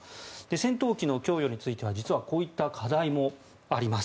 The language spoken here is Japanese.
戦闘機の供与についてはこういった課題もあります。